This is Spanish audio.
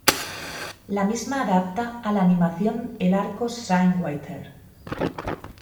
La misma adapta a la animación el arco "Shrine Water".